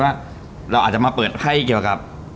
ว่าเราอาจจะมาเปิดไพ่เกี่ยวกับ